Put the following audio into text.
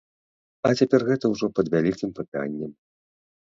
А цяпер гэта ўжо пад вялікім пытаннем.